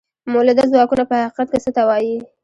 مؤلده ځواکونه په حقیقت کې څه ته وايي؟